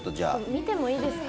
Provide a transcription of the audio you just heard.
見てもいいですか？